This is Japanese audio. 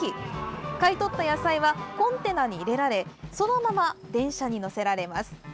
買い取った野菜はコンテナに入れられそのまま電車に乗せられます。